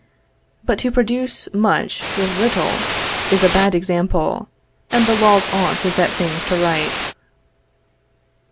But to produce much with little is a bad example, and the laws ought to set things to rights.